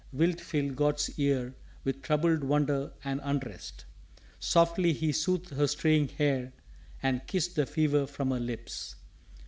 wilt fill God's ear with troubled wonder and unrest!" Softly he soothed her straying hair, and kissed The fever from her lips.